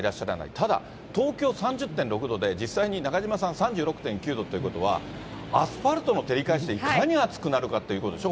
ただ、東京３０．６度で、実際に中島さん、３６．９度ということは、アスファルトの照り返しで、いかに暑くなるかっていうことでしょ？